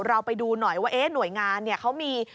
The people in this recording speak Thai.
ไปดูหน่อยว่าหน่วยงานเขามี